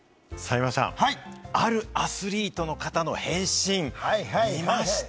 山ちゃん、あるアスリートの方の変身、見ました？